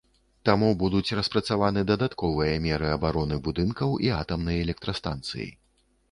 Таму будуць распрацаваны дадатковыя меры абароны будынкаў і атамнай электрастанцыі.